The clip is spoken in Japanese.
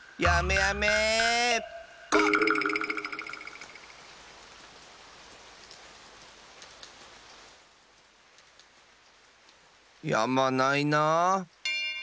やまないな。